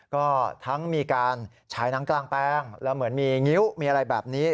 ก็ทั้งมีการฉายหนังกลางแปลงแล้วเหมือนมีงิ้วมีอะไรแบบนี้